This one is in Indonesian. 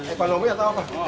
ekonomi atau apa